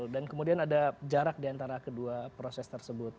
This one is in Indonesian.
dan kemudian ada jarak di antara kedua proses tersebut